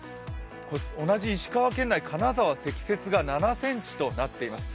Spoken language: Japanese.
同じ石川県内、金沢、積雪が７ｃｍとなっています。